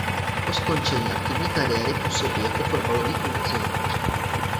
Po skončení aktivní kariéry působí jako fotbalový funkcionář.